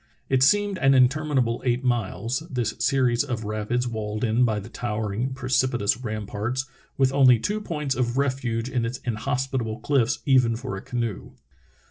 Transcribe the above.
It seemed an interminable eight miles, this series of rapids walled in by the tow ering, precipitous Ramparts, with only tv/o points of refuge in its inhospitable cliffs even for a canoe.